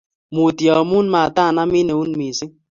Mutyo amu matanamin eut missing